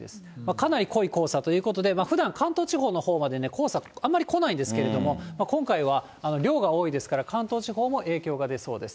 かなり濃い黄砂ということで、ふだん、関東地方のほうまでね、黄砂、あまり来ないんですけれども、今回は量が多いですから、関東地方も影響が出そうです。